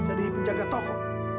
jadi penjaga toko